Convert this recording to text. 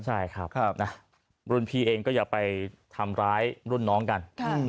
ใช่ครับรุ่นพี่เองก็อย่าไปทำร้ายรุ่นน้องกัน